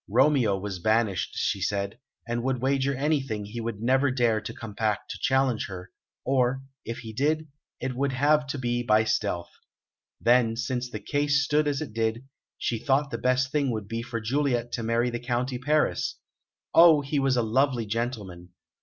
Romeo was banished, she said; she would wager anything he would never dare to come back to challenge her, or, if he did, it would have to be by stealth. Then, since the case stood as it did, she thought the best thing would be for Juliet to marry the County Paris. Oh, he was a lovely gentleman!